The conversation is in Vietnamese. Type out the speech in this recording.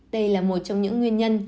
đây là một trong những nguyên nhân